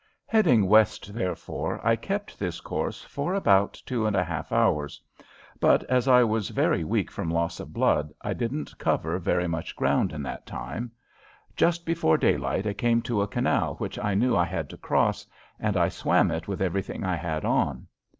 Heading west, therefore, I kept this course for about two and a half hours, but as I was very weak from loss of blood I didn't cover very much ground in that time. Just before daylight I came to a canal which I knew I had to cross, and I swam it with everything I had on.